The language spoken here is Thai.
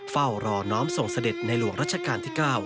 เฝ้ารอน้อมส่งเสด็จในหลวงรัชกาลที่๙